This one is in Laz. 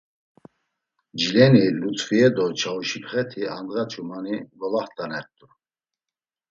“Jileni Lutfiye do Çavuşipxeti andğa ç̌umani golaxt̆anert̆u.”